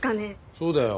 そうだよ。